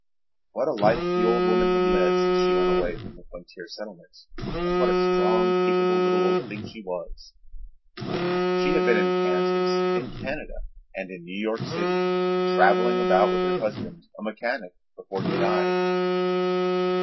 What a life the old woman had led since she went away from the frontier settlement and what a strong, capable little old thing she was! She had been in Kansas, in Canada, and in New York City, traveling about with her husband, a mechanic, before he died.